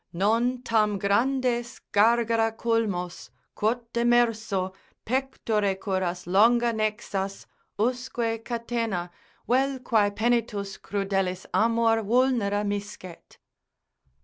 ———Non tam grandes Gargara culmos, quot demerso Pectore curas longa nexas Usque catena, vel quae penitus Crudelis amor vulnera miscet.